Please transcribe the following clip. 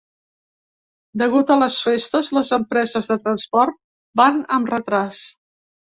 Degut a les festes, les empreses de transport van amb retràs.